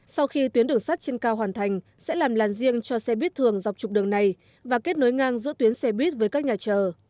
sau khi tuyến đường sắt trên cao hoàn thành sẽ làm làn riêng cho xe buýt thường dọc trục đường này và kết nối ngang giữa tuyến xe buýt với các nhà chờ